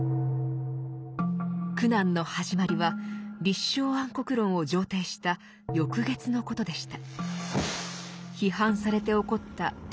苦難の始まりは「立正安国論」を上呈した翌月のことでした。